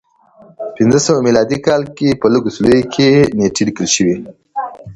د پنځه سوه میلادي کال کې په لږو څلیو کې نېټې لیکل شوې